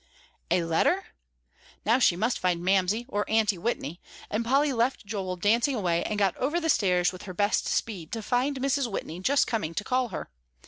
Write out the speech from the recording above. "A letter?" Now she must find Mamsie or Aunty Whitney, and Polly left Joel dancing away and got over the stairs with her best speed to find Mrs. Whitney just coming to call her.